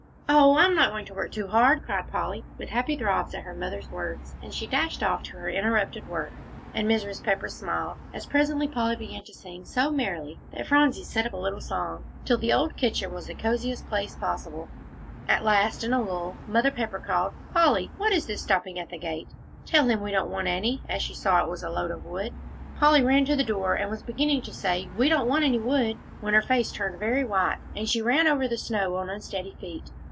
"Oh, I'm not going to work too hard," cried Polly, with happy throbs at her mother's words. And she dashed off to her interrupted work, and Mrs. Pepper smiled, as presently Polly began to sing so merrily that Phronsie set up a little song, till the old kitchen was the cosiest place possible. At last, in a lull, Mother Pepper called, "Polly, what is this stopping at the gate? Tell him we don't want any," as she saw it was a load of wood. Polly ran to the door, and was beginning to say, "We don't want any wood," when her face turned very white, and she ran over the snow on unsteady feet.